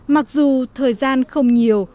mặc dù thời gian không nhiều